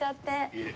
いえ。